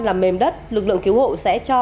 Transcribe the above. làm mềm đất lực lượng cứu hộ sẽ cho